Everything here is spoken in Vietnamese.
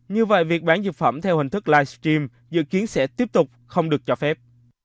như vậy việc bán dược phẩm theo hình thức livestream dự kiến sẽ tiếp tục không được cho phép